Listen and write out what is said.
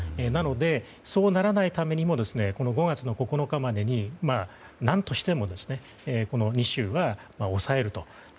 なので、そうならないためにも５月９日までに何としてもこの２州は押さえると。